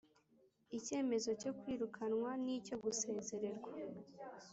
Icyemezo cyo kwirukanwa n icyo gusezererwa